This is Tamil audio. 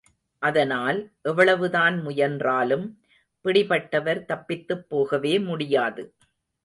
அதனால், எவ்வளவுதான் முயன்றாலும், பிடிபட்டவர் தப்பித்துப் போகவே முடியாது.